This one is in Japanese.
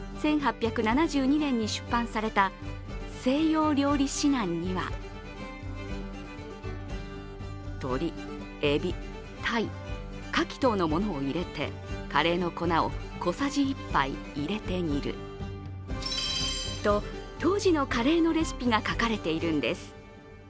１８７２年に出版された「西洋料理指南」には鶏、えび、たい、かき等のものを入れてカレーの粉を小さじ一杯入れて煮ると当時のカレーのレシピが書かれているんです。